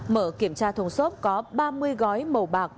mở kiểm tra thùng xốp có ba mươi gói màu bạc